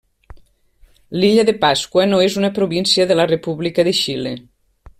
L'illa de Pasqua no és una província de la República de Xile.